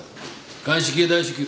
鑑識へ大至急。